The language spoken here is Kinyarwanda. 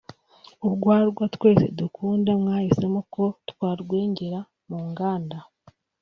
urwagwa twese dukunda mwahisemo ko twarwengera mu nganda